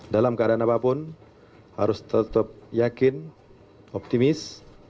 dalam keadaan apapun harus tetap yakin optimis